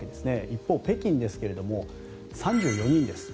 一方、北京ですが３４人です。